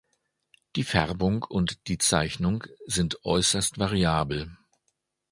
Die Färbung und die Zeichnung sind äußerst variabel.